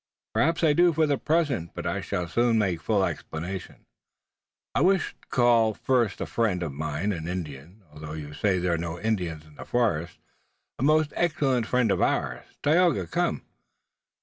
"Perhaps I do for the present, but I shall soon make full explanations. I wish to call first a friend of mine, an Indian although you say there are no Indians in the forest a most excellent friend of ours. Tayoga, come!"